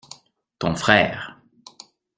Ton frère.